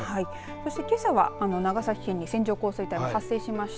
そしてけさは長崎県に線状降水帯が発生しました。